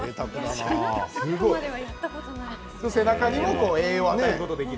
背中にも栄養を与えることができる。